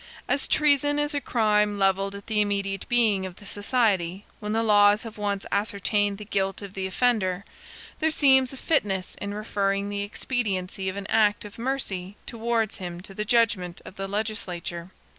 As treason is a crime levelled at the immediate being of the society, when the laws have once ascertained the guilt of the offender, there seems a fitness in referring the expediency of an act of mercy towards him to the judgment of the legislature.